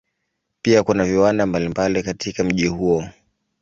Pia kuna viwanda mbalimbali katika mji huo.